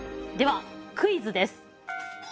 ではクイズです。